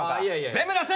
全部出せ！